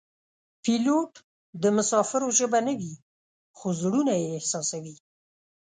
پیلوټ د مسافرو ژبه نه وي خو زړونه یې احساسوي.